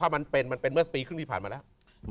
มันเป็นเมื่อปีครึ่งที่ผ่านมาแล้ว